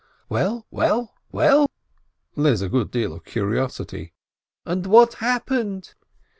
— "Well, well, well ?" (there is a good deal of curiosity). "And what hap pened?"